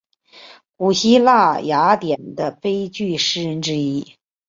古希腊雅典的悲剧诗人之一。